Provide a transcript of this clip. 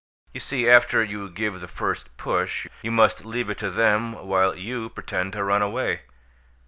You see, after you give the first push, you must leave it to them while YOU pretend to run away!"